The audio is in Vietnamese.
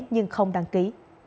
nhưng không đăng ký